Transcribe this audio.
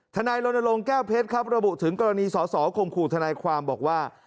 ธนายโรนโลงแก้วเพชรครับระบุถึงกรณี๖๖ของคู่ธนายความบอกว่า